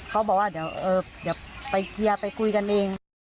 เขาบอกว่าเดี๋ยวไปเคลียร์ไปคุยกันเอง